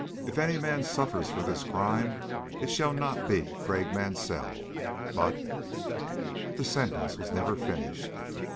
If any man suffers for this crime it shall not be Craik Mansell, but " The sentence was never finished.